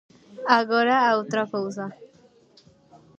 Agora a outra cousa...